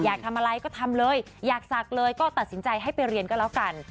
อยากทำอะไรก็ทำเลยอยากศักดิ์เลยก็ตัดสินใจให้ไปเรียนก็แล้วกัน